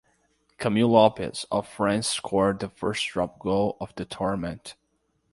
Camille Lopez of France scored the first drop goal of the tournament.